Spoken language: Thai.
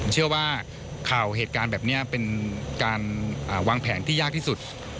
เชื่อว่าข่าวเหตุการณ์แบบนี้เป็นการวางแผนที่ยากที่สุด